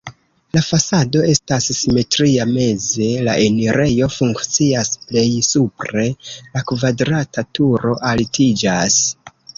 La fasado estas simetria, meze la enirejo funkcias, plej supre la kvadrata turo altiĝas.